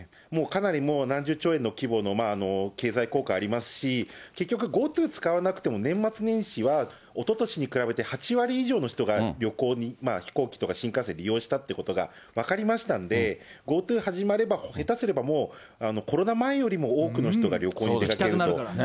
かなりもう、何十兆円の規模の経済効果ありますし、結局、ＧｏＴｏ使わなくても、年末年始はおととしに比べて８割以上の人が旅行に、飛行機とか新幹線利用したということが、分かりましたんで、ＧｏＴｏ始まれば、へたすれば、もうコロナ前よりも多くの人が旅行に出かけると。